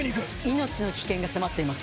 命の危険が迫っています。